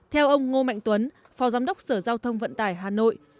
theo ông ngô mạnh tuấn phó giám đốc sở giao thông vận tải hà nội